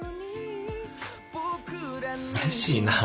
うれしいな。